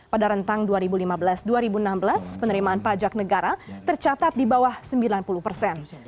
pada rentang dua ribu lima belas dua ribu enam belas penerimaan pajak negara tercatat di bawah sembilan puluh persen